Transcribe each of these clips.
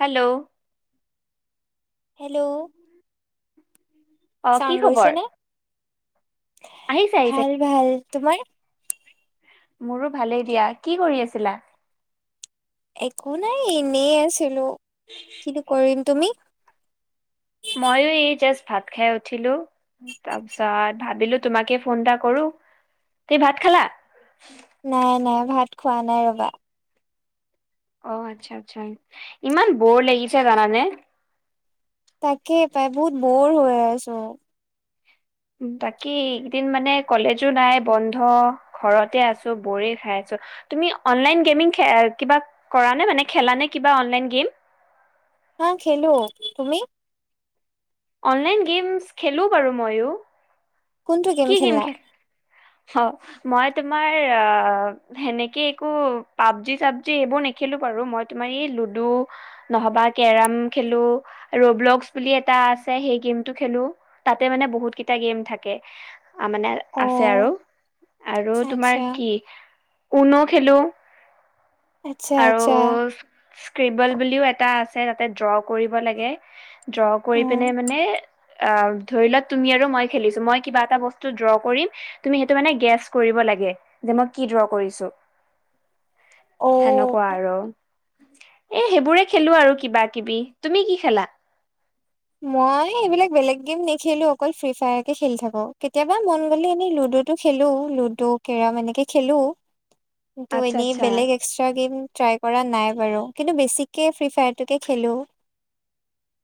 Hello hello অ কি sound গৈছে খবৰ নে? আহিছে আহিছে ভাল ভাল তোমাৰ মোৰো ভালেই দিয়া কি কৰি আছিলা একো নাই এনে আছিলো কিনো কৰিম তুমি ময়ো এই জাষ্ট ভাত খাই উঠিলো তাৰপিছত ভাবিলো তোমাকে ফোন এটা কৰো তুমি ভাত খালা নাই নাই ভাত খোৱা নাই ৰবা অ আচ্ছা আচ্ছা ইমান বৰ লাগিছে জানানে তাকেই পাই বহুত বৰ হৈ আছো বাকী একেইদিন মানে কলেজো নাই বন্ধ ঘৰতে আছো বৰে খাই আছো তুমি অনলাইন গেমিং খে কিবা কৰা নে মানে কিবা খেলা নে অনলাইন গেম হা খেলো তুমি অনলাইন গেমছ খেলোঁ বাৰু মইয়ো কোনটো গেম খেলা অ মই তোমাৰ অ সেনেকে একো পাবজি চাবজি এইবোৰ নেখেলো মই তোমাৰ এ লুডো নহল বা কেৰাম খেলো ৰোবলকছ বুলি এটা আছে সেই গেমটো খেলো তাতে মানে বহুত কেইটা গেম থাকে আ মানে অ আছে আৰু আৰু আচ্ছা তোমাৰ কি ঊন খেলো আচ্ছা আচ্ছা স্কেবল বুলিও এটা আছে তাতে ড্ৰ কৰিব লাগে ড্ৰ কৰি উম পিনে মানে অ ধৰি লোৱা তুমি আৰু মই খেলিছো মই কিবা এটা বস্তু ড্ৰ কৰিম তুমি সেইটো মানে গেছ কৰিব লাগে যে মই কি ড্ৰ কৰিছোঁ অ সেনেকুৱা আৰু এ সেইবোৰে খেলো আৰু কিবা কিবি তুমি কি খেলা মই এইবিলাক বেলেগ গেম নেখেলো অকল ফ্ৰী ফায় খেলি থাকো কেতিয়াবা মন গলে এনেই লুডো লুডো খেলো লুডু কেৰম এনেকে খেলো কিন্তু আচ্ছা এনেই আচ্ছা বেলেগ এক্সট্ৰা গেম ট্ৰাই কৰা নাই বাৰু কিন্তু বেছিকে ফ্ৰী ফায়াৰটোকে খেলো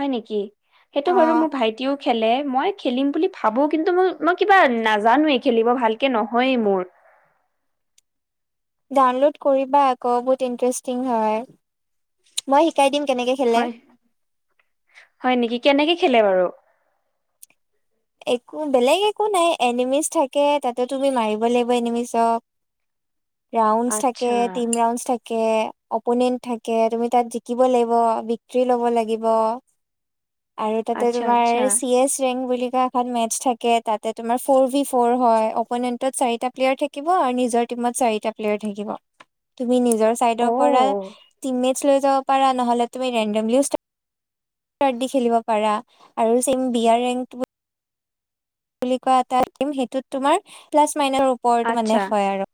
হয় নেকি সেইটো বাৰু মোৰ ভাইটিও খেলে মই খেলিম বুলি ভাবো কিন্তু মই মই কিবা নাজানোৱেই খেলিব ভালকে নহয়েই মোৰ [inaudible] ডাউনলোড কৰিবা আকৌ বহুত ইণ্টাৰেষ্টিং হয় মই শিকাই দিম কেনেকে খেলে হয় হয় নেকি কেনেকে খেলে বাৰু একো বেলেগ একো নাই এনিমিচ থাকে তাতে তুমি মাৰিব লাগিব এনিমিছক [inaudible] ৰাউণ্ড থাকে আচ্ছা তিন ৰাউণ্ডচ থাকে থাকে অপনেণ্ট থাকে তুমি তাত জিকিব লাগিব ভিকৰ্তী লব লাগিব [inaudible] আৰু তাতে আচ্ছা তোমাৰ আচ্ছা চি এচ ৰেং বুলি কোৱা এখন মেটছ থাকে তাতে তোমাৰ ফ'ৰ ভী ফ'ৰ হয় অপনেণ্টত চাৰিটা প্লেয়াৰ থাকিব আৰু নিজৰ টিমত চাৰিটা প্লেয়াৰ থাকিব [inaudible] তুমি নিজৰ অ চাইডৰ পৰা টিম মেটছ লৈ যাব পাৰা নহ'লে তুমি ৰেণ্ডমলিও কাবাডি খেলিব পাৰা আৰু চম বিয়াৰ ৰেংক বুলি কোৱা এটিম সেইটোত তোমাৰ ক্লাছ মাইনৰ ওপৰতো মানে আচ্ছা হয় আৰু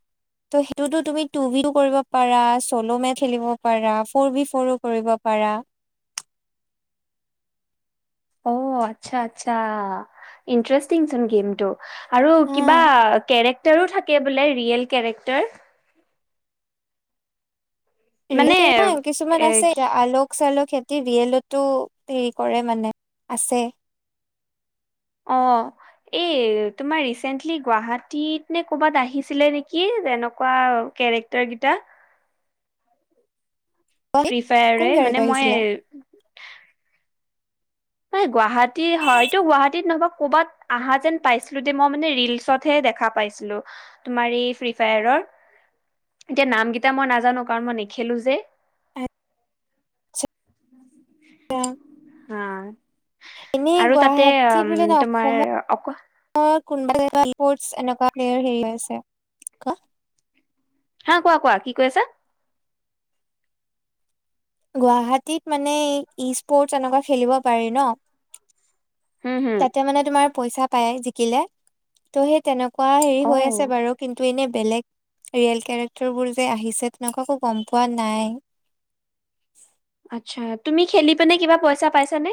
তো' সেইটোতো তুমি টু বি তো কৰিব পাৰা চ'ল' মে খেলিব পাৰা ফ'ৰ বি ফ'ৰো কৰিব প পাৰা [inaudible] অ আচ্ছা আচ্ছা ইণ্টাৰেষ্টিং চোন গেমটো আৰু হা। কিবা কেৰেক্টাৰো থাকে বোলে ৰিয়েল কেৰেক্টাৰ ৰিয়েল মানে কেৰেক্টাৰ কিছুমান এ কি আছেতিয়া আলোক চাল টি ৰিয়েলতো হেৰি কৰে মানে আছে অহ এ তোমাৰ ৰিচেণ্টলি গুৱাহাটীত নে ক'বাত আহিছিলে নেকি যেনেকুৱা কেৰেক্টাৰ কেইটা ফ্ৰী কোন ফায়াৰে গায়ক মানে মই আহিছিলে? মানে গুৱাহাটীত নহয়তো ক'বাত আহা যেন পাইছিলো দে মই মানে ৰিলচত হে দেখা পাইছিলোঁ মাৰি ফ্ৰী ফাইৰত এতিয়া নাম কেইটা মই নাজানো কাৰণ মই নেখেলো যে আচ্ছা হা এনেই আৰু তাতে গুৱাহাটীত উম বোলে ন তোমাৰ অক অসমত কোনোবা এনেকুৱা ইস্পত হেৰি আছে ক হা কোৱা কোৱা কি কৈ আছা গুৱাহাটীত মানে ই স্পৰ্টছ এনেকুৱা খেলিব পাৰি ন হুম হুম তাতে মানে তোমাৰ পইচা পায় জিকিলে ত' সেই তেনেকুৱা কোৱা হেৰি অ হৈ আছে বাৰু কিন্তু এনেই বেলেগ ৰিয়েল কেৰেক্টাৰ বোৰ যে আহিছে তেনেকুৱাকো গম পোৱা নাই [inaudible] আচ্ছা তুমি খেলি পিনে কিবা পইচা পাইছানে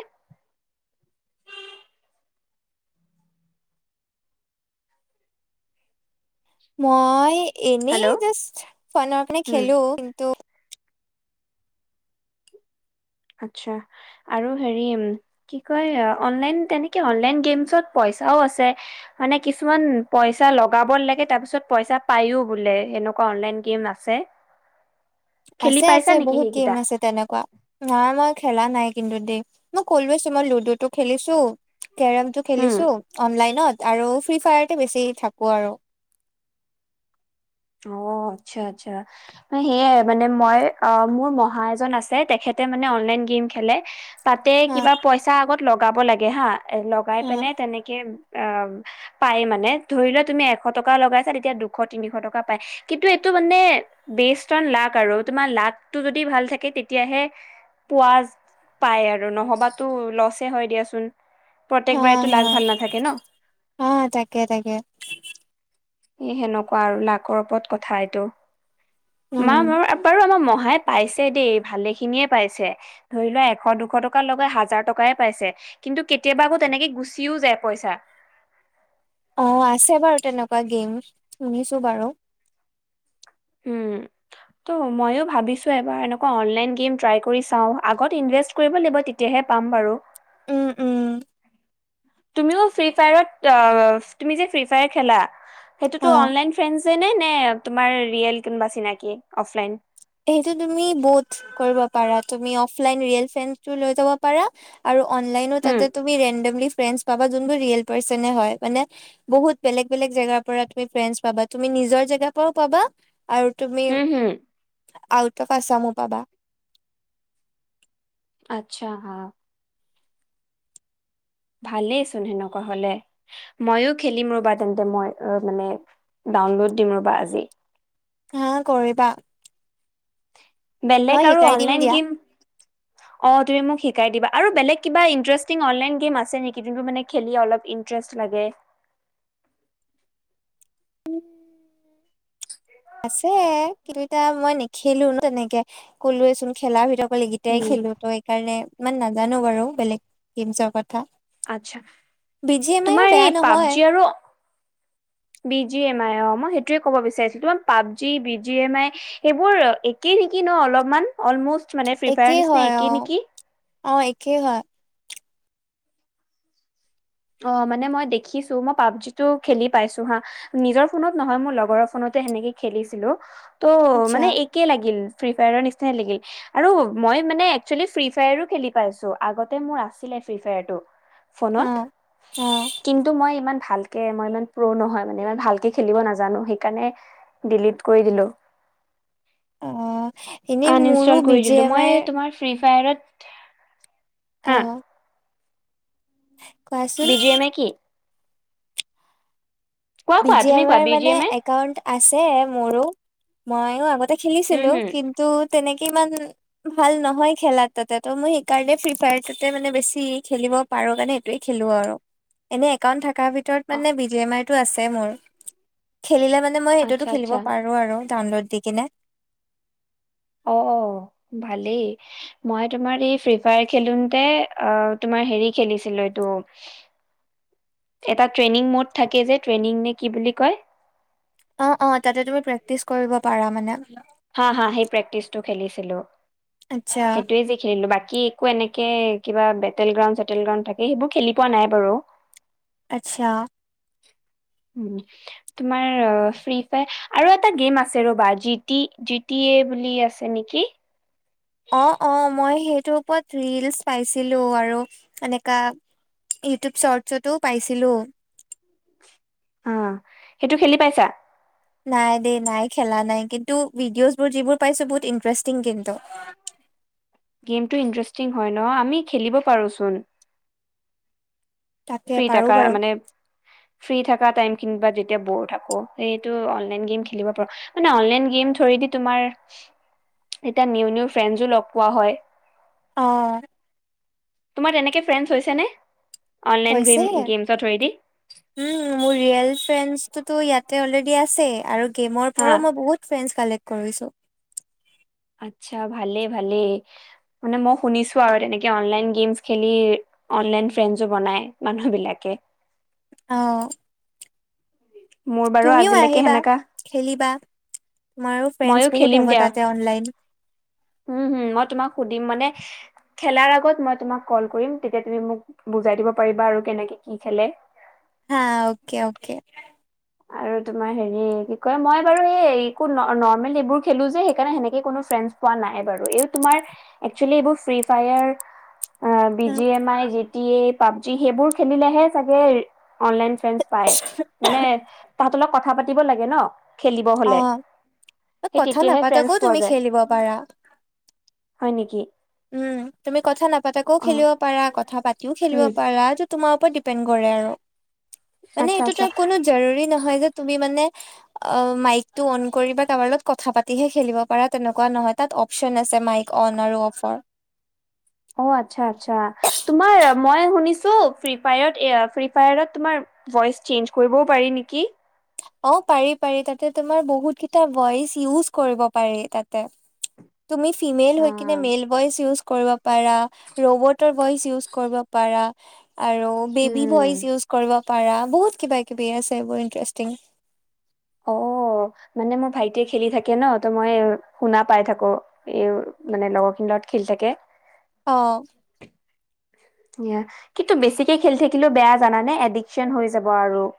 মই হেল্ল' এনেই জাষ্ট ফ্ৰনৰ কাৰণে উম খেলো কিন্তু আচ্ছা আৰু হেৰি কি কয় অনলাইন তেতেকে গেম পই পইচাও আছে মানে কিছুমান পইচা লগাব লাগে তাৰ পিছত পইচা পাওঁ বোলে সেনেকুৱা ক অনলাইন। গেম আছে খেলি আছে পাইছা আছে নেকি বহুত গেম সেইকেইটা আছে তেনেকুৱা ধৰা মই খেলা নাই কিন্তু দেই মই কলো চোন মই লুডু টো খেলিছো কেৰমটো হুম খেলিছো অনলাইনত আৰু ফ্ৰী ফায়াৰতে বেছি থাকো আৰু অ আচ্ছা আচ্ছা সেয়াই মানে মই অ মোৰ মহা এজন আছে তেখেত তে মানে অনলাইন গেম খেলে তাতে হা কিবা পইচা আগত লগাব লাগে হা এ লগাই হা পেনে তেনেকে অ পাই মানে ধৰি লোৱা তুমি এশ টকা লগাইছা তেতিয়া দুশ তিনিশ টকা কিন্তু এইটো মানে বেছ তন লাক আৰু তোমাৰ লাকটো যদি ভাল থাকে তেতিয়াহে। পোৱা পাই আৰু নহবাতো লছে হয় দিয়াচোন। হা প্ৰত্যেকবাৰেতো হা লাগ ভাল নাথাকে ন। হা তাকে তাকে এ সেনেকুৱা আৰু লাকৰ ওপৰত কথা এইটো উম মা বাৰু আমাৰ মহ। হাই পাইছে দেই ভালেখিনিয়ে পাইছে ধৰি লোৱা এশ দুশ টকাৰ লগাই হাজাৰ টকাই পাইছে। কিন্তু কেতিয়াবা আকৌ তেনেকে গুচিও যায় পইচা। অ আছে বাৰু তেনেকুৱা গেম শুনিছোঁ বাৰু। উম ত' ময়ো ভাবিছোঁ এবাৰ এনেকুৱা অনলাইন গেম ট্ৰাই কৰি চাওঁ আগত ইনভেষ্ট কৰিব লাগিব তেতিয়া। সেয়হে পাম বাৰু। উম উম। তুমিও ফ্ৰী ফায়াৰত তুমি যে ফ্ৰী ফায়াৰ খেলা। সেইটোতো অ অনলাইন ফ্ৰেণ্ডছে নে নে তোমাৰ ৰিয়েল কোনোবা চিনাকি অফলাইন। সেইটো তুমি বৌথ কৰিব পাৰা তুমি অফলাইন ৰিয়েল ফেনটো লৈ যাব পাৰা আৰু অনলাইনো হুম, তাতে তুমি ৰেণ্ডমলি ফ্ৰেণ্ডছ পাবা যোনবোৰ ৰিয়েল পাৰ্চনে হয় মানে বহুত বেলেগ বেলেগ জেগাৰ পৰা তুমি ফ্ৰেণ্ডছ পাবা তুমি নি- নিজৰ জেগাৰ পৰাও পাবা আৰু তুমি হুম, হুম, আউট অফ আছামো পাবা আচ্ছা হা। ভালেইচোন সেনেকুৱা হ'লে মইও খেলিম ৰবা তেন্তে মই অ মানে ডাউনলোড দিম ৰ'বা আজি। হা কৰিবা। মই বেলেগ আৰু শিকাই দিম অনলাইন দিয়া গেম অ তুমি মোক শিক শিকাই দিবা আৰু বেলেগ কিবা ইণ্টাৰেষ্টিং অনলাইন গেম আছে নেকি যুনবোৰ মানে খেলি অলপ ইণ্টাৰেষ্ট লাগে। [unintelligible] [unintelligible] আছে কিন্তু এতিয়া মই নেখেলো ন তেনেকে ক'লোৱেচোন খেলাৰ ভিতৰ। অকলকেইটাই উম, খেলো তো সেইকাৰণে ইমান নাজানোঁ বাৰু বেলেগ গেমছৰ ক আচ্ছা আইও তোমাৰ বেয়া এই নহয় পাবজি আৰু। বি জি এম আই অ মই সেইটোৱে ক'ব বিচাৰিছোঁ তোমাৰ PUBG B G M I সেইবোৰ একেই নেকি? ন অলপমান অলমষ্ট মানে ফ্ৰী ফায়াৰ একেই নিচিনা হয় একে অ নেকি? অ একেই হয়। অ মানে মই দেখিছোঁ মই পাবজিটো খেলি পাইছোঁ হা নিজৰ ফোনত নহয় মোৰ লগৰৰ ফোনত। তে সেনেকে খেলিছিলোঁ ত' আচ্ছা মানে একে লাগিল। ফ্ৰী ফায়াৰৰ নিচিনাই লাগিল আৰু মই মানে এক্সলি ফ্ৰী ফায়াৰো খেলি পাইছোঁ আগতে মোৰ আছিলে। হে ফ্ৰী ফায়াৰটো অ ফোনত অ কিন্তু মই ইমান। ভালকে মই ইমান প্ৰো নহয় মানে ইমান ভালকে খেলিব নাজানোঁ সেইকাৰণে ডিলিট কৰি দিলোঁ। অ এনেই আন মোৰো ইনষ্টল বি কৰি জি দিলোঁ এম মই আইৰ এ তোমাৰ ফ্ৰী ফায়াৰত হা আহ বিজি এমে কি? কোৱা বি কোৱা জি তুমি কোৱা এমাইৰ বি জি মানে এম আই একাউন্ট আছে মোৰো মইও আগতে উম খেলিছিলোঁ হুম কিন্তু তেনেক ইমান ভাল নহয় খেলা তাতে ত মই সেইকাৰণে ফ্ৰী ফায়াৰ টোতে মানে বেছি খেলিব পা পাৰোঁ কাৰনে এইটোৱে খেলোঁ আৰু এনে একাউণ্ট থাক কা ভিতৰত অ মানে বিজি এম আই টো আছে মোৰ খেলিলে মানে মই সেইটোতো আচ্ছা খেলিব আচ্ছা পাৰোঁ আৰু। ডাউনলোড দি কেনে অ অ ভালেই মই তোমাৰ এই ফ্ৰী ফায়াৰ খেলোনতে অ তোমাৰ তোমাৰ হেৰি খেলিছিলো এইটো এটা ট্ৰেইনিং মোড থাকে যে ট্ৰেইনিং নে কি বুলি কয় অ অ তাতে তুমি প্ৰেক্টিচ কৰিব পাৰা মানে। হাঁ হাঁ সেই প্ৰেক্টিচটো খেলিছিলো আচ্ছা সেইটোয়ে যি খেলিলো বাক কি একো এনেকে কিবা বেটেল গ্ৰাউণ্ড চেটেল গ্ৰাউণ্ড থাকে সেইবোৰ খেলি পোৱা নাই বাৰু। আচ্ছা। উম তোমাৰ ফ্ৰী ফায় আৰু এটা গেম আছে ৰ'বা জিত টি জি টি এ বুলি আছে নেকি অঁ অঁ মই সেইটোৰ ওপৰত ৰীলছ পাইছিলো আৰু এনেকা ইউটিউব শ্বট শ্বটো পাইছিলো অঁ সেইটো খেলি পাইছা নাই দেই নাই খেলা নাই কিন্তু ভিডিঅ'ছবোৰ যিবোৰ পাইছো বহুত ইন্টাৰেষ্টিং কিন্তু গেমটো ইন্টাৰেষ্টিং হয় ন আমি খেলিব পাৰোচোন। তাকে ফ্ৰী পাৰো টকা বাৰু মানে ফ্ৰী থাক টাইম কিনিব যেতিয়া ব'ৰ থাকো সেইটো অনলাইন গেম খেলিব পাৰো মানে অনলাইন গেম ঠোয়েদি দি তোমাৰ এতিয়া নিউ নিউ ফ্ৰেছো লগ পোৱা হয় অঁ তোমাৰ এনেকে ফ্ৰেণ্ডছ হৈছে নে অনলাইন হৈছে। গেম গেমছৰ ধৰেদি উম মোৰ ৰিয়েল ফ্ৰেডটোতো ইয়াতে অলৰেডি আছে আৰু গেমৰ হা পৰাও মই বহুত ফ্ৰেডছ কালেক্ট কৰিছো আচ্ছা ভালেই ভালেই মানে মই শুনিছো আৰু তেনেকে অনলাইন গেমছ খেলি অনলাইন ফ্ৰেমছো বনাই মানুহ বিলাকে আহ মোৰ বাৰু তুমিও আজিলৈকে আহিবা সেনেকা খেলিবা তোমাৰো মইয়ো ফ্ৰেণ্ডছ বহুত খেলিম হ'ব দিয়া তাতে অনলাইন উম হম মই তোমাক সুধিম মানে খেলাৰ আগত মই তোমাক কল কৰিম তেতিয়া তুমি মোক বুজাই দিব পাৰিবা আৰু কেনেকে কি খেলে হা অকে অকে আৰু তোমাৰ হেৰি কি কয় মই বাৰু এইো নৰ্মেল এইবোৰ খেলো যে সেইকাৰণে সেনেকে কোনো কোৱা নাই বাৰো, তোমাৰ এক্সচোয়েলি ফ্ৰী। ফেইৰত আহ B G M I G T A PUBG সেইবোৰ খেলিলেহে চাগে অনলাইন ফে পায় মানে তহতৰ লগ কথা পাতিব লাগে ন সেই তেতিয়াহে অ', কথা ফ্ৰ নাপাতাকৈও পোৱা তুমি যায় খেলিব পাৰা। হয় নেকি উম তুমি কথা নাপাতাকেও অ খেলিব পাৰা কথা পাতিও খেলিব উম পাৰা ত তোমাৰ ৰত ডিপেণ্ড কৰে আৰু মানে আচ্ছা এইটোতো আচ্ছা কোনো জৰুৰী নহয় যে তুমি মানে অঁ মাইক টো অন কৰি বা কাৰবাৰ লগত কথা পাতিহে খেলিব পাৰা তেনেকুৱা নহয় তাত অপচন আছে। আছে মাইক অন আৰু অফৰ অঃ আচ্ছা আচ্ছা তোমাৰ মই শুনিছো হু ফ্ৰী ফাঁইৰত তোমাৰ ভইচ চেঞ্জ কৰিব পাৰে নেকি অঁ পাৰি পাৰি তাতে তোমাৰ বহুতকেইটা ভইচ ইউজ কৰিব পাৰি তাতে [inaudible] তুমি ফিমেল অ হৈ কিনে মেল ভইচ ইউজ কৰিব পাৰা ৰবৰ ভইচ ইউজ কৰিব পাৰা আৰু বেবি উম ভইচ ইজ কৰিব পাৰা বহুত কিবা কিবি আছে বু ইণ্টাৰেষ্টিং অঁ মানে মোৰ ভাইটিয়ে খেলি থাকে ন ত মই শুনা পাই থাকো এ মানে লগৰ খিনত খেলি থাকে। আহঁ কিন্তু বেছিকে খেলি থাকিলেও বেয়া জানানে এডিকচন হৈ যাব আৰু উ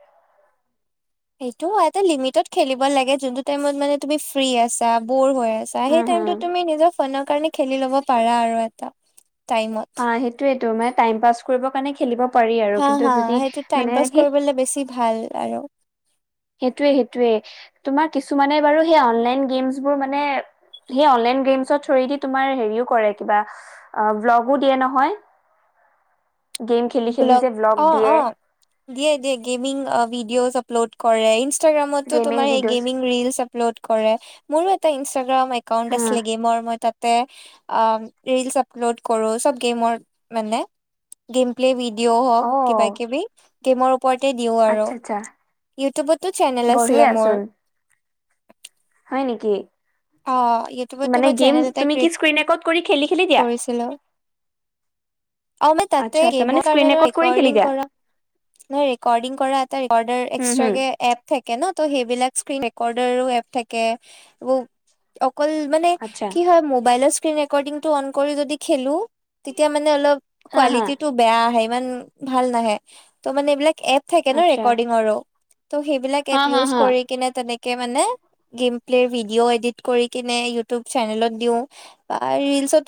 এইটো এটা লিমিতত খেলিব লাগে জোনটো টাইমত তুমি ফ্ৰী আছা বৰ হৈ আছা হম, হম, হেইটাইমটোত নিজৰ ফানৰ কাৰণে খেলি লব পাৰা আৰু এটা টাইমত অ', সেইটোয়েতো মানে টাইম পাছ কৰিব কাৰণে খেলিব পাৰি আৰু হা কিন্তু হা যদি সেইটো টাইম মানে পাছ সেই কৰিবলে বেছি ভাল আৰু সেইটোৱে সেইটোয়ে তোমাৰ কিছুমানে বাৰু সেই অনলাইন গেমছোৰ মানে সেই গেমছৰ থুয়েদি তোমাৰ হেৰিও কৰে কিবা ব্লগও দিয়ে নহয় [unintelligible] খেলি ব্লগ যে অ দিয়ে অ দিয়ে দিয়ে গেমিং ভিডিঅ' আপলোড কৰে ইনষ্টাগ্ৰামটো গেমিং তোমাৰ hey videos. Gaming reels upload কৰে, মোৰো এটা ৰীলচ ইনষ্টাগ্ৰাম একাউণ্ট হা, আছিলে গেমৰ মই তাত তাতে ৰীলচ আপলোদ কৰোঁ চব গেমৰ মানে গেম প্লে দিও হওক কিবা অ', কিবি গেমৰ ওপৰতে দিও আৰু আচ্ছা আচ্ছা। ইউটিউবতো চেনেল আছিলে মোৰ বঢ়িয়াচোন হয় নেকি? অ' ইউটিউবতো মানে মই গেম চেনেল এটা তুমি কি ক্ৰিয়েট স্ক্ৰীন ৰেকৰ্ড কৰি খেলি খেলি দিয়া? কৰিছিলো। অ' মই তাতে আচ্ছা আচ্ছা মানে মোৰ স্ক্ৰীন কাৰণে ৰেকৰ্ড কৰি খেলি ৰেকৰ্ডিং দিয়া? কৰা। নহয় ৰেকৰ্ডিং কৰা এটা ৰেকৰ্ডাৰ, হুম হুম এক্সটাকে এপ' থাকে। থাকে ন ত' সেইবিলাক স্কিন ৰেকডাৰো এপ থাকে। অকল মানে আচ্ছা কি হয়, মোবাইলৰ স্কিন ৰেকৰ্ডিং টো অন কৰি যদি খেলো তেতিয়া মানে অলপ হা হা কোৱালিটিটো বেয়া আহে, ইমান ভাল নাহে ত' মানে এইবিলাক এপ থাকে আচ্ছা ন'ৰেকৰ্ডিংৰো ত'সেইবিলাক হা এপ হা ইউজ হা কৰি কিনে তেনেকে মানে গেম প্লেৰ ভিডিঅ' এডিট কৰি কিনে ইউটিউব চেনেলত দিও বা ৰিলচত